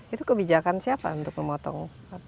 itu kebijakan siapa untuk memotong